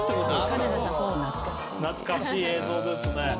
懐かしい映像ですね。